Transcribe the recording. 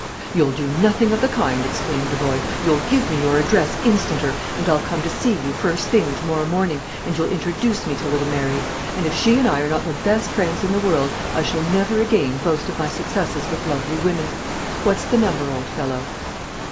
"You'll do nothing of the kind," exclaimed the boy. "You'll give me your address instanter, and I'll come to see you the first thing to morrow morning, and you'll introduce me to little Mary; and if she and I are not the best friends in the world, I shall never again boast of my successes with lovely woman. What's the number, old fellow?"